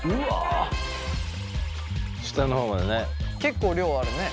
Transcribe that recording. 結構量あるね。